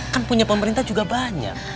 kan punya pemerintah juga banyak